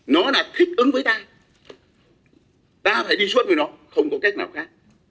nó là thích ứng với ta ta phải đi xuất với nó không có cách nào khác